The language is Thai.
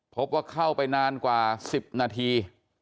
พบว่าเข้าไปนานกว่า๑๐นาที